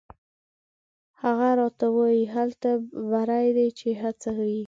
هغه راته وایي: «هلته بری دی چې هڅه وي».